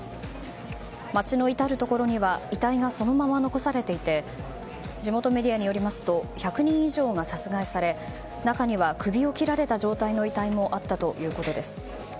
街の至るところには遺体がそのまま残されていて地元メディアによりますと１００人以上が殺害され中には首を切られた状態の遺体もあったということです。